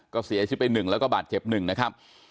ก็เสียชีวิตไป๑แล้วก็บาดเจ็บ๑นะครับ